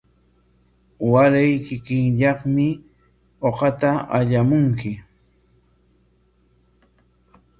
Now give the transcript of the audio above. Waray kikillaykim uqata allamunki.